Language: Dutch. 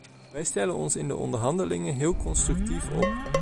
Wij stellen ons in de onderhandelingen heel constructief op.